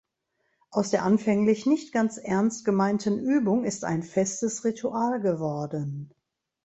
Aus der anfänglich nicht ganz ernst gemeinten Übung ist ein festes Ritual geworden.